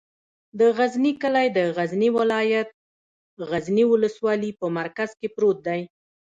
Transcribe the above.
د غزنی کلی د غزنی ولایت، غزنی ولسوالي په مرکز کې پروت دی.